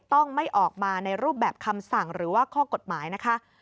ต้องไม่ออกมาในรูปแบบคำสั่งหรือว่าข้อกฎหมายนะคะ